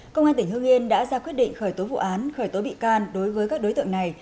công an tỉnh hương yên đã ra quyết định khởi tố vụ án khởi tố bị can đối với các đối tượng này